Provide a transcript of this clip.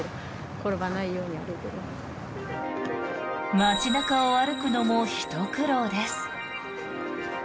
街中を歩くのもひと苦労です。